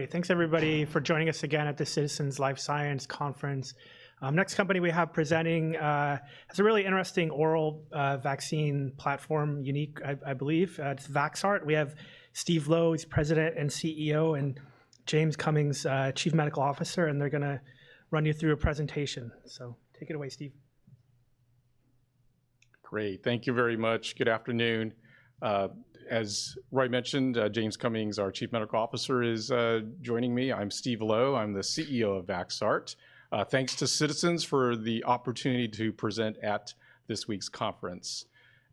All right, thanks everybody for joining us again at the Citizens Life Science Conference. Next company we have presenting has a really interesting oral vaccine platform, unique, I believe. It's Vaxart. We have Steve Lo, who's President and CEO, and James Cummings, Chief Medical Officer, and they're going to run you through a presentation. Take it away, Steve. Great, thank you very much. Good afternoon. As Roy mentioned, James Cummings, our Chief Medical Officer, is joining me. I'm Steve Lo. I'm the CEO of Vaxart. Thanks to citizens for the opportunity to present at this week's conference.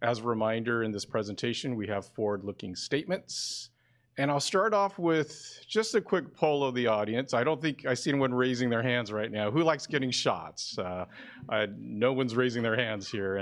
As a reminder, in this presentation, we have forward-looking statements. I'll start off with just a quick poll of the audience. I don't think I see anyone raising their hands right now. Who likes getting shots? No one's raising their hands here.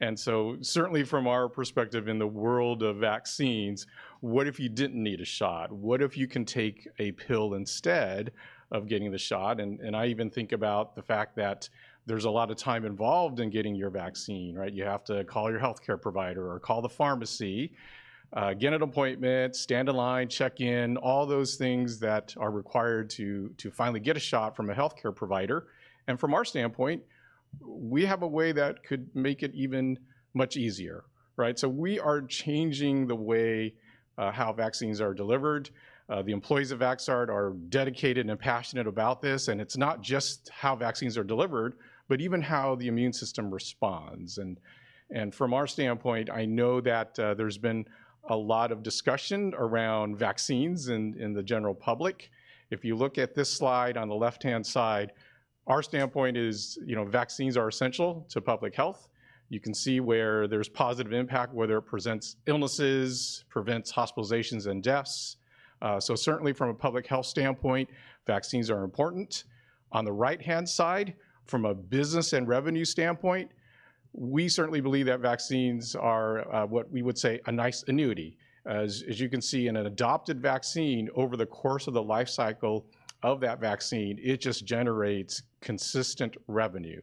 Certainly, from our perspective in the world of vaccines, what if you didn't need a shot? What if you can take a pill instead of getting the shot? I even think about the fact that there's a lot of time involved in getting your vaccine, right? You have to call your healthcare provider or call the pharmacy, get an appointment, stand in line, check in, all those things that are required to finally get a shot from a healthcare provider. From our standpoint, we have a way that could make it even much easier, right? We are changing the way how vaccines are delivered. The employees of Vaxart are dedicated and passionate about this. It is not just how vaccines are delivered, but even how the immune system responds. From our standpoint, I know that there has been a lot of discussion around vaccines in the general public. If you look at this slide on the left-hand side, our standpoint is vaccines are essential to public health. You can see where there is positive impact, whether it prevents illnesses, prevents hospitalizations and deaths. Certainly, from a public health standpoint, vaccines are important. On the right-hand side, from a business and revenue standpoint, we certainly believe that vaccines are what we would say a nice annuity. As you can see, in an adopted vaccine, over the course of the life cycle of that vaccine, it just generates consistent revenue.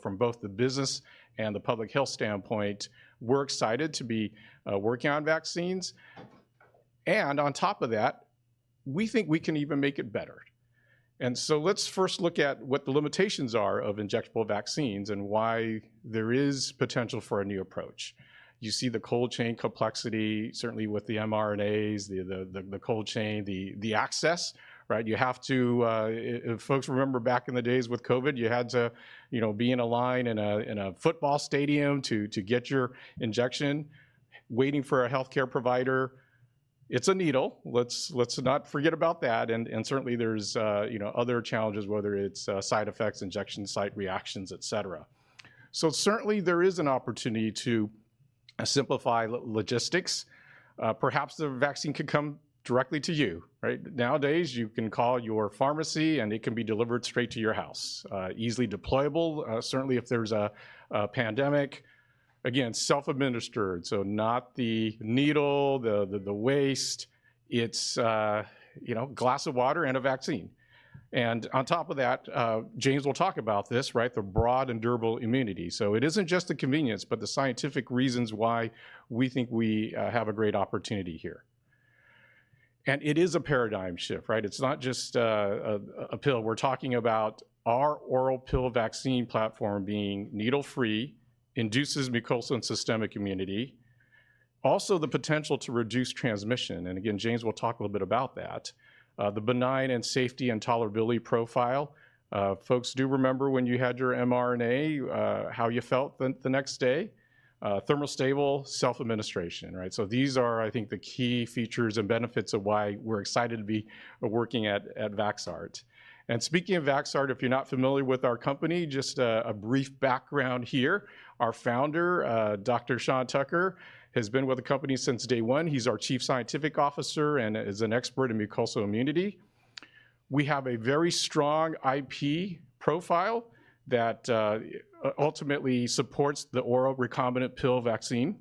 From both the business and the public health standpoint, we're excited to be working on vaccines. On top of that, we think we can even make it better. Let's first look at what the limitations are of injectable vaccines and why there is potential for a new approach. You see the cold chain complexity, certainly with the mRNAs, the cold chain, the access, right? You have to, if folks remember back in the days with COVID, you had to be in a line in a football stadium to get your injection. Waiting for a healthcare provider, it's a needle. Let's not forget about that. Certainly, there are other challenges, whether it's side effects, injection site reactions, et cetera. Certainly, there is an opportunity to simplify logistics. Perhaps the vaccine could come directly to you, right? Nowadays, you can call your pharmacy, and it can be delivered straight to your house. Easily deployable, certainly if there's a pandemic. Again, self-administered, so not the needle, the waste. It's a glass of water and a vaccine. On top of that, James will talk about this, right? The broad and durable immunity. It isn't just the convenience, but the scientific reasons why we think we have a great opportunity here. It is a paradigm shift, right? It's not just a pill. We're talking about our oral pill vaccine platform being needle-free, induces mucosal and systemic immunity. Also, the potential to reduce transmission. Again, James will talk a little bit about that. The benign and safety and tolerability profile. Folks do remember when you had your mRNA, how you felt the next day. Thermostable, self-administration, right? These are, I think, the key features and benefits of why we're excited to be working at Vaxart. Speaking of Vaxart, if you're not familiar with our company, just a brief background here. Our founder, Dr. Sean Tucker, has been with the company since day one. He's our Chief Scientific Officer and is an expert in mucosal immunity. We have a very strong IP profile that ultimately supports the oral recombinant pill vaccine.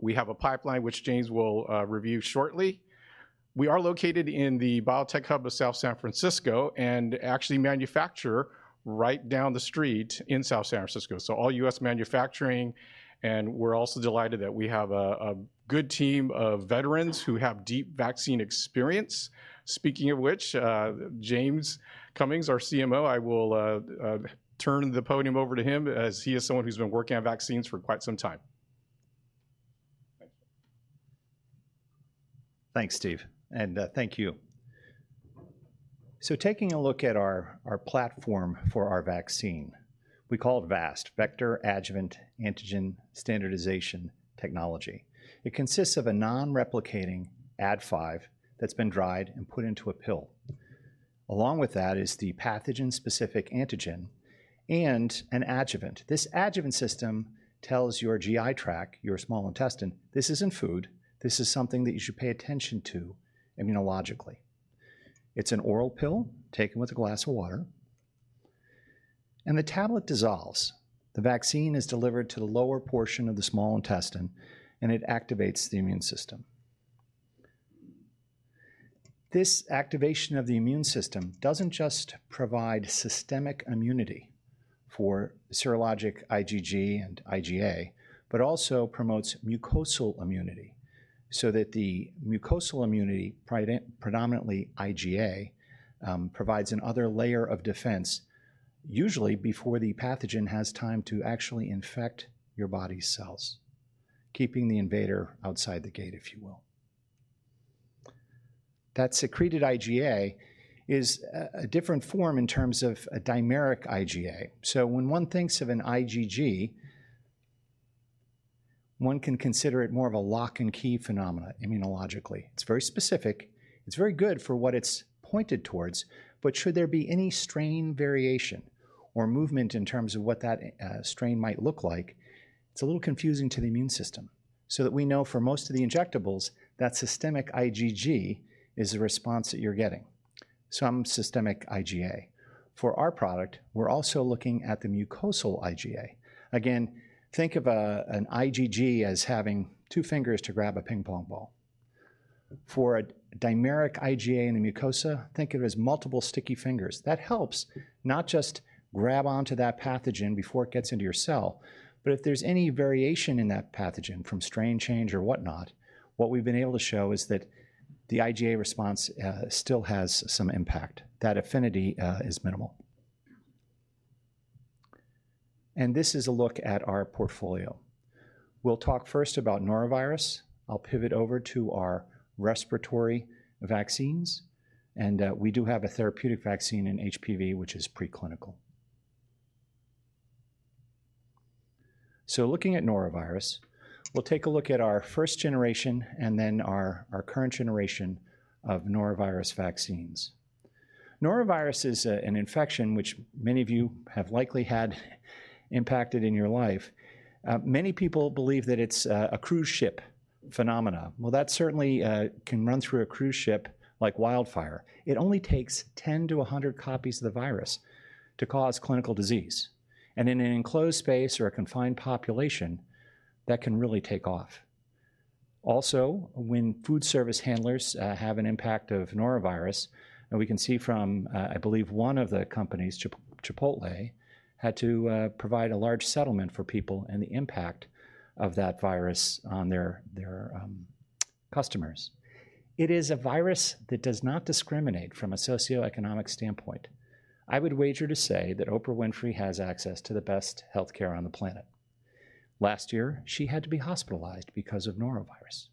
We have a pipeline, which James will review shortly. We are located in the biotech hub of South San Francisco and actually manufacture right down the street in South San Francisco. All U.S. manufacturing. We are also delighted that we have a good team of veterans who have deep vaccine experience. Speaking of which, James Cummings, our CMO, I will turn the podium over to him as he is someone who's been working on vaccines for quite some time. Thanks, Steve. Thank you. Taking a look at our platform for our vaccine, we call it VAST, Vector Adjuvant Antigen Standardization Technology. It consists of a non-replicating Ad5 that's been dried and put into a pill. Along with that is the pathogen-specific antigen and an adjuvant. This adjuvant system tells your GI tract, your small intestine, this isn't food. This is something that you should pay attention to immunologically. It's an oral pill taken with a glass of water. The tablet dissolves. The vaccine is delivered to the lower portion of the small intestine, and it activates the immune system. This activation of the immune system doesn't just provide systemic immunity for serologic IgG and IgA, but also promotes mucosal immunity so that the mucosal immunity, predominantly IgA, provides another layer of defense, usually before the pathogen has time to actually infect your body's cells, keeping the invader outside the gate, if you will. That secreted IgA is a different form in terms of a dimeric IgA. When one thinks of an IgG, one can consider it more of a lock-and-key phenomenon immunologically. It's very specific. It's very good for what it's pointed towards. Should there be any strain variation or movement in terms of what that strain might look like, it's a little confusing to the immune system. We know for most of the injectables, that systemic IgG is the response that you're getting. I'm systemic IgA. For our product, we're also looking at the mucosal IgA. Again, think of an IgG as having two fingers to grab a ping-pong ball. For a dimeric IgA in the mucosa, think of it as multiple sticky fingers. That helps not just grab onto that pathogen before it gets into your cell, but if there's any variation in that pathogen from strain change or whatnot, what we've been able to show is that the IgA response still has some impact. That affinity is minimal. This is a look at our portfolio. We'll talk first about norovirus. I'll pivot over to our respiratory vaccines. We do have a therapeutic vaccine in HPV, which is preclinical. Looking at norovirus, we'll take a look at our first generation and then our current generation of norovirus vaccines. Norovirus is an infection, which many of you have likely had impacted in your life. Many people believe that it's a cruise ship phenomenon. That certainly can run through a cruise ship like wildfire. It only takes 10-100 copies of the virus to cause clinical disease. In an enclosed space or a confined population, that can really take off. Also, when food service handlers have an impact of norovirus, and we can see from, I believe, one of the companies, Chipotle, had to provide a large settlement for people and the impact of that virus on their customers. It is a virus that does not discriminate from a socioeconomic standpoint. I would wager to say that Oprah Winfrey has access to the best healthcare on the planet. Last year, she had to be hospitalized because of norovirus.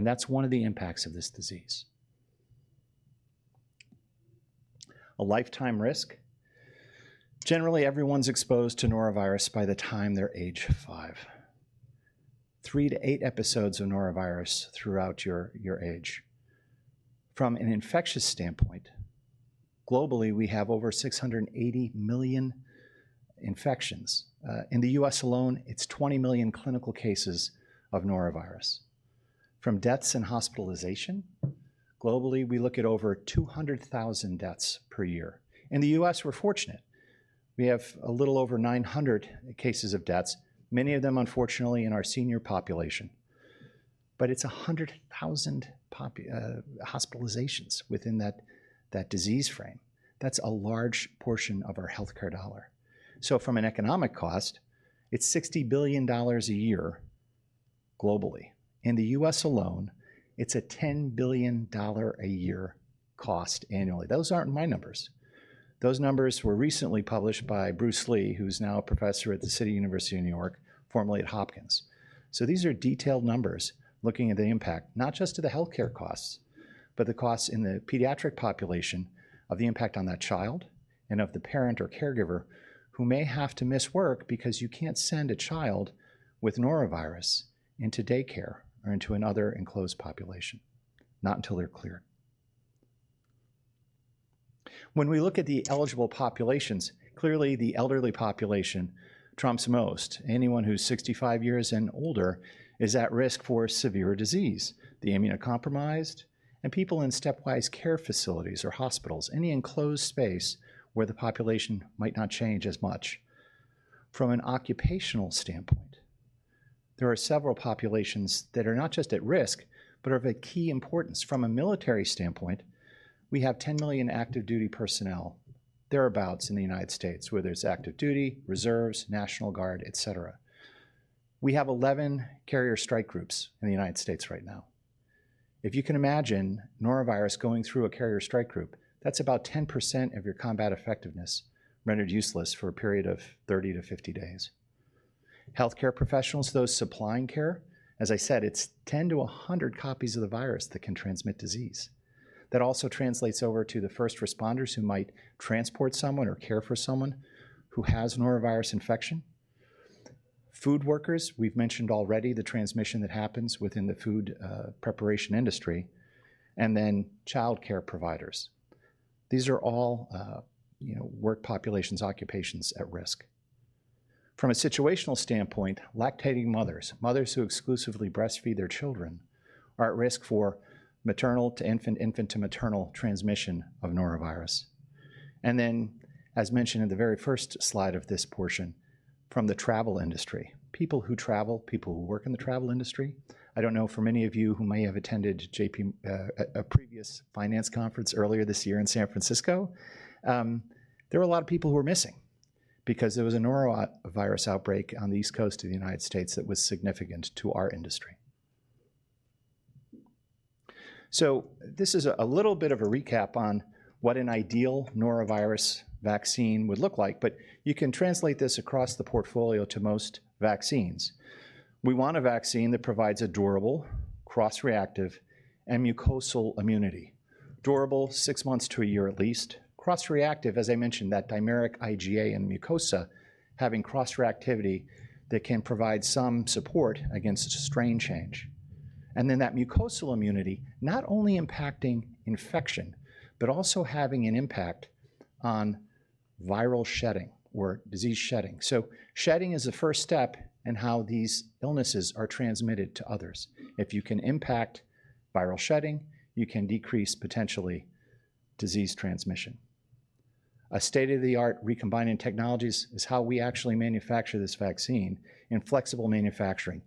That's one of the impacts of this disease. A lifetime risk. Generally, everyone's exposed to norovirus by the time they're age five. Three to eight episodes of norovirus throughout your age. From an infectious standpoint, globally, we have over 680 million infections. In the U.S. alone, it's 20 million clinical cases of norovirus. From deaths and hospitalization, globally, we look at over 200,000 deaths per year. In the U.S., we're fortunate. We have a little over 900 cases of deaths, many of them, unfortunately, in our senior population. It's 100,000 hospitalizations within that disease frame. That's a large portion of our healthcare dollar. From an economic cost, it's $60 billion a year globally. In the U.S. alone, it's a $10 billion a year cost annually. Those aren't my numbers. Those numbers were recently published by Bruce Lee, who's now a professor at the City University of New York, formerly at Hopkins. These are detailed numbers looking at the impact, not just to the healthcare costs, but the costs in the pediatric population of the impact on that child and of the parent or caregiver who may have to miss work because you can't send a child with norovirus into daycare or into another enclosed population, not until they're cleared. When we look at the eligible populations, clearly, the elderly population trumps most. Anyone who's 65 years and older is at risk for severe disease, the immunocompromised, and people in stepwise care facilities or hospitals, any enclosed space where the population might not change as much. From an occupational standpoint, there are several populations that are not just at risk, but are of key importance. From a military standpoint, we have 10 million active duty personnel, thereabouts in the United States, where there's active duty, reserves, National Guard, et cetera. We have 11 carrier strike groups in the United States. right now. If you can imagine norovirus going through a carrier strike group, that's about 10% of your combat effectiveness rendered useless for a period of 30-50 days. Healthcare professionals, those supplying care, as I said, it's 10-100 copies of the virus that can transmit disease. That also translates over to the first responders who might transport someone or care for someone who has norovirus infection. Food workers, we've mentioned already the transmission that happens within the food preparation industry. Childcare providers. These are all work populations, occupations at risk. From a situational standpoint, lactating mothers, mothers who exclusively breastfeed their children, are at risk for maternal-to-infant, infant-to-maternal transmission of norovirus. As mentioned in the very first slide of this portion, from the travel industry, people who travel, people who work in the travel industry. I do not know for many of you who may have attended a previous finance conference earlier this year in San Francisco. There were a lot of people who were missing because there was a norovirus outbreak on the East Coast of the United States that was significant to our industry. This is a little bit of a recap on what an ideal norovirus vaccine would look like. You can translate this across the portfolio to most vaccines. We want a vaccine that provides a durable, cross-reactive, and mucosal immunity. Durable, six months to a year at least. Cross-reactive, as I mentioned, that dimeric IgA and mucosa having cross-reactivity that can provide some support against strain change. That mucosal immunity, not only impacting infection, but also having an impact on viral shedding or disease shedding. Shedding is the first step in how these illnesses are transmitted to others. If you can impact viral shedding, you can decrease potentially disease transmission. A state-of-the-art recombinant technologies is how we actually manufacture this vaccine in flexible manufacturing.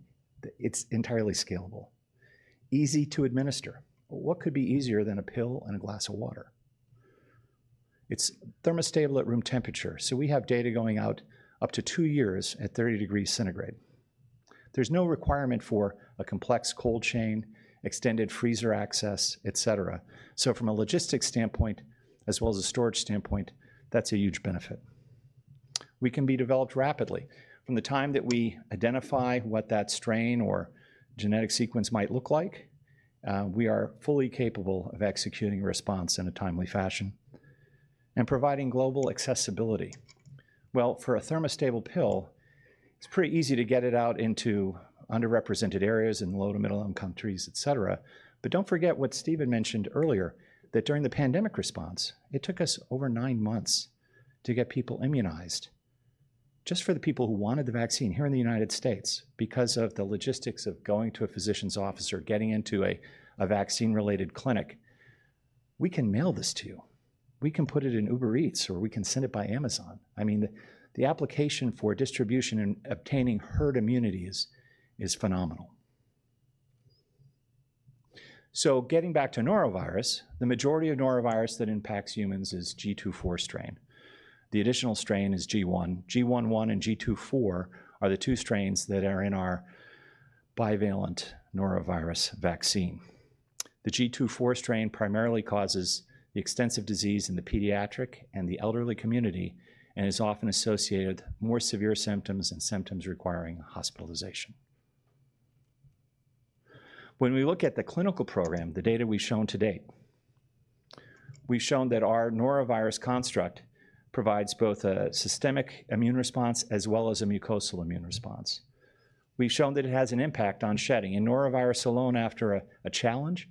It is entirely scalable. Easy to administer. What could be easier than a pill and a glass of water? It is thermostable at room temperature. We have data going out up to two years at 30 degrees Centigrade. There is no requirement for a complex cold chain, extended freezer access, et cetera. From a logistics standpoint, as well as a storage standpoint, that is a huge benefit. We can be developed rapidly. From the time that we identify what that strain or genetic sequence might look like, we are fully capable of executing a response in a timely fashion and providing global accessibility. For a thermostable pill, it's pretty easy to get it out into underrepresented areas in low to middle-income countries, et cetera. Do not forget what Steven mentioned earlier, that during the pandemic response, it took us over nine months to get people immunized. Just for the people who wanted the vaccine here in the United States, because of the logistics of going to a physician's office or getting into a vaccine-related clinic, we can mail this to you. We can put it in Uber Eats or we can send it by Amazon. I mean, the application for distribution and obtaining herd immunity is phenomenal. Getting back to norovirus, the majority of norovirus that impacts humans is GII.4 strain. The additional strain is GI.1. GI.1 and GII.4 are the two strains that are in our bivalent norovirus vaccine. The GII.4 strain primarily causes extensive disease in the pediatric and the elderly community and is often associated with more severe symptoms and symptoms requiring hospitalization. When we look at the clinical program, the data we've shown to date, we've shown that our norovirus construct provides both a systemic immune response as well as a mucosal immune response. We've shown that it has an impact on shedding. In norovirus alone, after a challenge,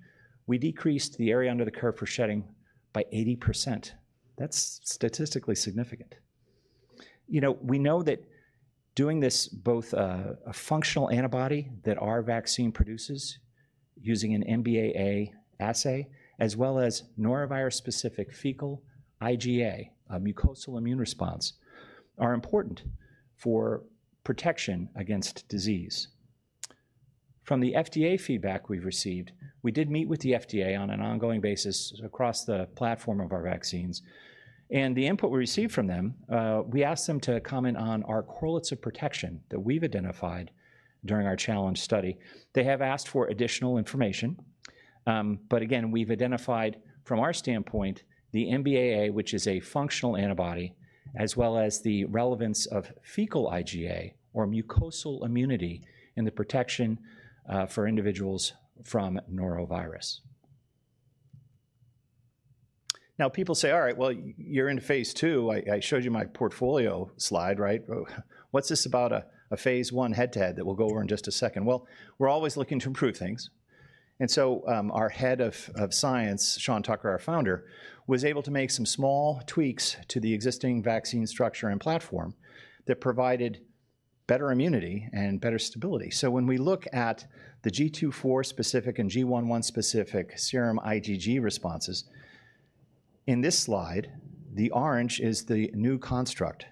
we decreased the area under the curve for shedding by 80%. That's statistically significant. We know that doing this, both a functional antibody that our vaccine produces using an MBAA assay, as well as norovirus-specific fecal IgA, a mucosal immune response, are important for protection against disease. From the FDA feedback we've received, we did meet with the FDA on an ongoing basis across the platform of our vaccines. The input we received from them, we asked them to comment on our correlates of protection that we've identified during our challenge study. They have asked for additional information. Again, we've identified from our standpoint the MBAA, which is a functional antibody, as well as the relevance of fecal IgA or mucosal immunity in the protection for individuals from norovirus. Now, people say, "All right, well, you're in phase II. I showed you my portfolio slide, right? What's this about a phase I head-to-head that we'll go over in just a second? We're always looking to improve things. Our Head of Science, Sean Tucker, our founder, was able to make some small tweaks to the existing vaccine structure and platform that provided better immunity and better stability. When we look at the GII.4-specific and GI.1-specific serum IgG responses, in this slide, the orange is the new construct.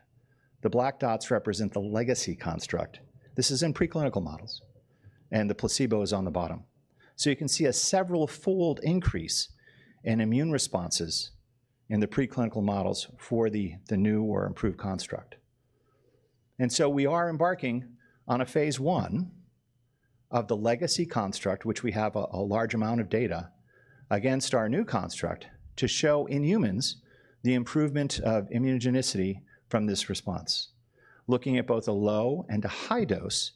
The black dots represent the legacy construct. This is in preclinical models. The placebo is on the bottom. You can see a several-fold increase in immune responses in the preclinical models for the new or improved construct. We are embarking on a phase I of the legacy construct, which we have a large amount of data against our new construct to show in humans the improvement of immunogenicity from this response, looking at both a low and a high dose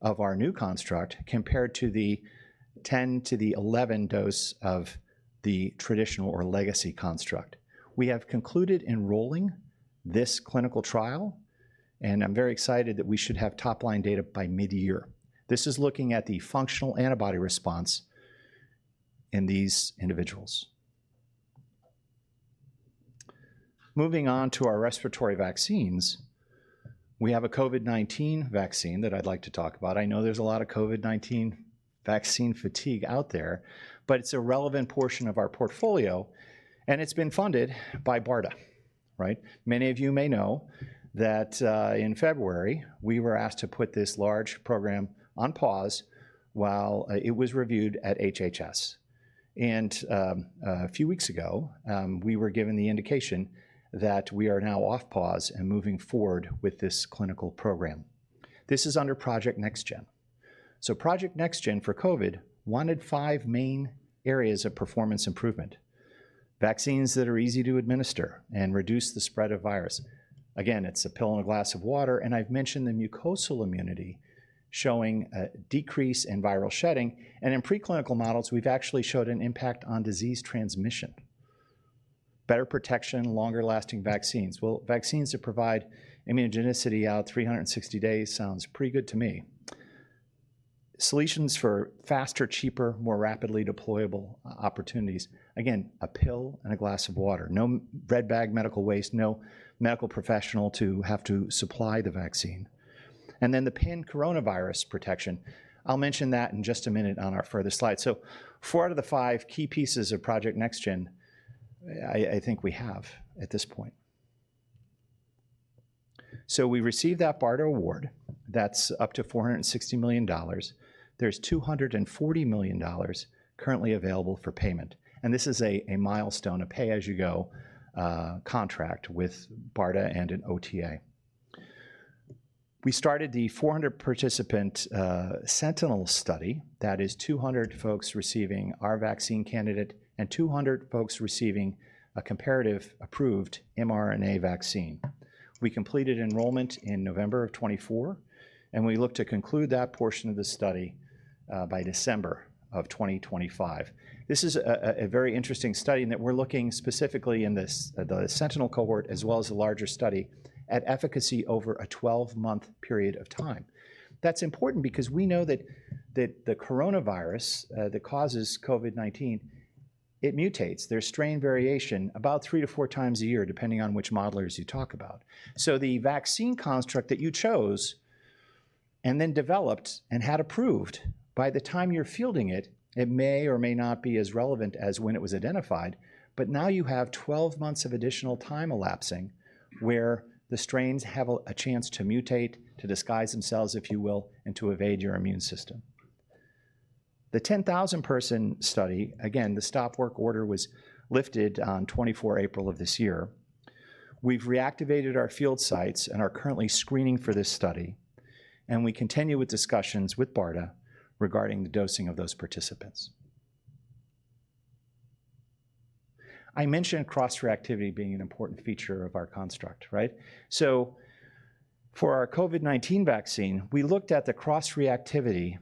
of our new construct compared to the 10 to the 11 dose of the traditional or legacy construct. We have concluded enrolling this clinical trial. I am very excited that we should have top-line data by mid-year. This is looking at the functional antibody response in these individuals. Moving on to our respiratory vaccines, we have a COVID-19 vaccine that I would like to talk about. I know there is a lot of COVID-19 vaccine fatigue out there, but it is a relevant portion of our portfolio. It has been funded by BARDA, right? Many of you may know that in February, we were asked to put this large program on pause while it was reviewed at HHS. A few weeks ago, we were given the indication that we are now off pause and moving forward with this clinical program. This is under Project NextGen. Project NextGen for COVID wanted five main areas of performance improvement: vaccines that are easy to administer and reduce the spread of virus. Again, it's a pill and a glass of water. I've mentioned the mucosal immunity showing a decrease in viral shedding. In preclinical models, we've actually showed an impact on disease transmission: better protection, longer-lasting vaccines. Vaccines that provide immunogenicity out 360 days sounds pretty good to me. Solutions for faster, cheaper, more rapidly deployable opportunities. Again, a pill and a glass of water. No red-bag medical waste, no medical professional to have to supply the vaccine. Then the pan-coronavirus protection. I'll mention that in just a minute on our further slide. Four out of the five key pieces of Project NextGen, I think we have at this point. We received that BARDA award. That's up to $460 million. There's $240 million currently available for payment. This is a milestone, a pay-as-you-go contract with BARDA and an OTA. We started the 400-participant sentinel study. That is 200 folks receiving our vaccine candidate and 200 folks receiving a comparative-approved mRNA vaccine. We completed enrollment in November of 2024. We look to conclude that portion of the study by December of 2025. This is a very interesting study in that we're looking specifically in the sentinel cohort as well as a larger study at efficacy over a 12-month period of time. That's important because we know that the coronavirus that causes COVID-19, it mutates. There's strain variation about three to four times a year, depending on which modelers you talk about. The vaccine construct that you chose and then developed and had approved, by the time you're fielding it, it may or may not be as relevant as when it was identified. Now you have 12 months of additional time elapsing where the strains have a chance to mutate, to disguise themselves, if you will, and to evade your immune system. The 10,000-person study, again, the stop work order was lifted on 24 April of this year. We've reactivated our field sites and are currently screening for this study. We continue with discussions with BARDA regarding the dosing of those participants. I mentioned cross-reactivity being an important feature of our construct, right? For our COVID-19 vaccine, we looked at the cross-reactivity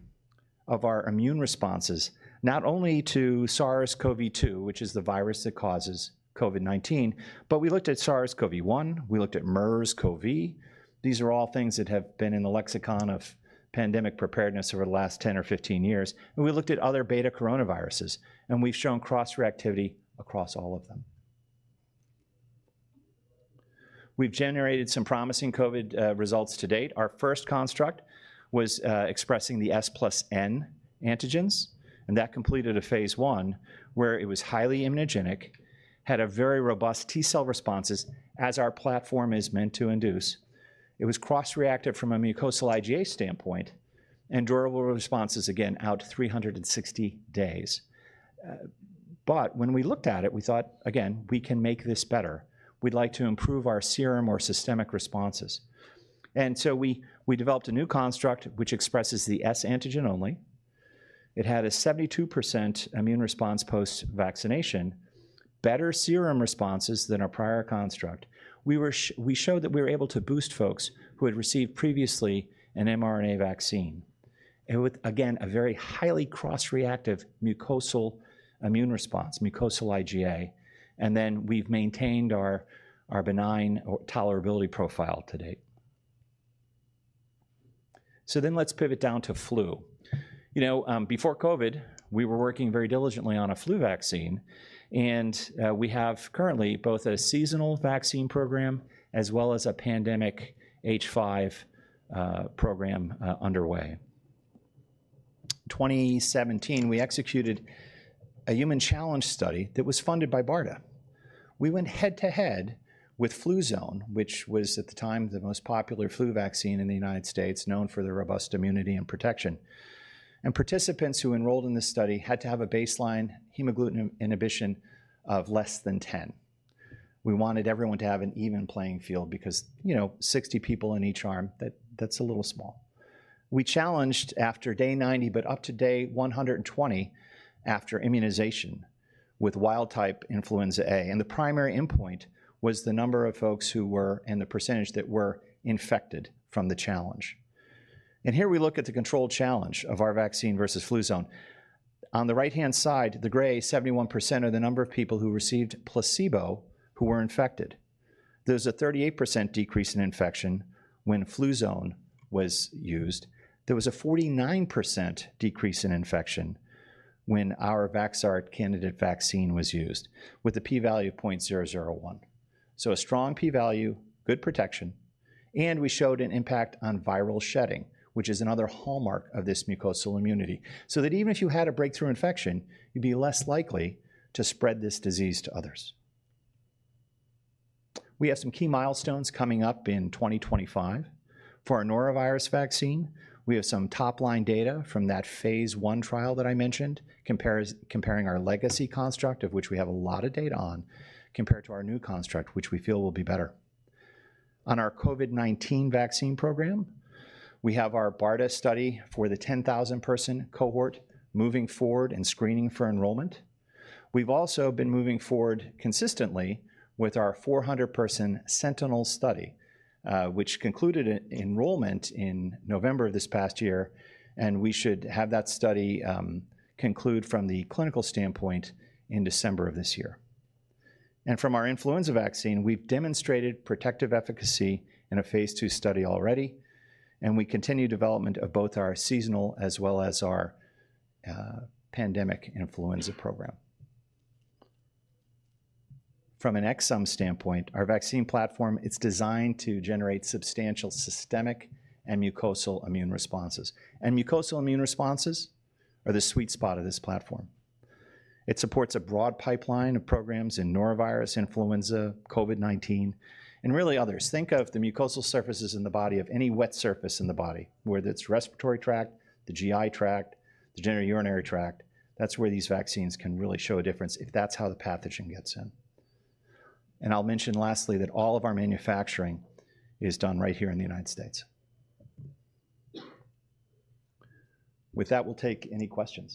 of our immune responses, not only to SARS-CoV-2, which is the virus that causes COVID-19, but we looked at SARS-CoV-1. We looked at MERS-CoV. These are all things that have been in the lexicon of pandemic preparedness over the last 10 or 15 years. We looked at other beta coronaviruses. We have shown cross-reactivity across all of them. We have generated some promising COVID results to date. Our first construct was expressing the S+N antigens. That completed a phase I where it was highly immunogenic, had very robust T-cell responses, as our platform is meant to induce. It was cross-reactive from a mucosal IgA standpoint and durable responses, again, out 360 days. When we looked at it, we thought, again, we can make this better. We would like to improve our serum or systemic responses. We developed a new construct, which expresses the S antigen only. It had a 72% immune response post-vaccination, better serum responses than our prior construct. We showed that we were able to boost folks who had received previously an mRNA vaccine. It was, again, a very highly cross-reactive mucosal immune response, mucosal IgA. We have maintained our benign tolerability profile to date. Let's pivot down to flu. Before COVID, we were working very diligently on a flu vaccine. We have currently both a seasonal vaccine program as well as a pandemic H5 program underway. In 2017, we executed a human challenge study that was funded by BARDA. We went head-to-head with Fluzone, which was at the time the most popular flu vaccine in the United States, known for the robust immunity and protection. Participants who enrolled in this study had to have a baseline hemagglutination inhibition of less than 10. We wanted everyone to have an even playing field because 60 people in each arm, that's a little small. We challenged after day 90, but up to day 120 after immunization with wild-type influenza A. The primary endpoint was the number of folks who were and the percentage that were infected from the challenge. Here we look at the controlled challenge of our vaccine versus Fluzone. On the right-hand side, the gray 71% are the number of people who received placebo who were infected. There is a 38% decrease in infection when Fluzone was used. There was a 49% decrease in infection when our Vaxart candidate vaccine was used, with a p-value of 0.001. A strong p-value, good protection. We showed an impact on viral shedding, which is another hallmark of this mucosal immunity, so that even if you had a breakthrough infection, you'd be less likely to spread this disease to others. We have some key milestones coming up in 2025 for our norovirus vaccine. We have some top-line data from that phase I trial that I mentioned, comparing our legacy construct, of which we have a lot of data, compared to our new construct, which we feel will be better. On our COVID-19 vaccine program, we have our BARDA study for the 10,000-person cohort moving forward and screening for enrollment. We have also been moving forward consistently with our 400-person sentinel study, which concluded enrollment in November of this past year. We should have that study conclude from the clinical standpoint in December of this year. From our influenza vaccine, we've demonstrated protective efficacy in a phase II study already. We continue development of both our seasonal as well as our pandemic influenza program. From an ex-sum standpoint, our vaccine platform is designed to generate substantial systemic and mucosal immune responses. Mucosal immune responses are the sweet spot of this platform. It supports a broad pipeline of programs in norovirus, influenza, COVID-19, and really others. Think of the mucosal surfaces in the body, any wet surface in the body, whether it's the respiratory tract, the GI tract, the genitourinary tract. That's where these vaccines can really show a difference if that's how the pathogen gets in. I'll mention lastly that all of our manufacturing is done right here in the United States. With that, we'll take any questions.